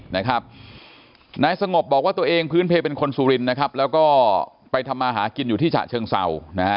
นายสงบบอกว่าตัวเองพื้นเพลย์เป็นคนสูรินแล้วก็ไปทำมหากินอยู่ที่จะเชิงเศร้า